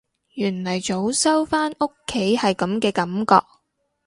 原來早收返屋企係噉嘅感覺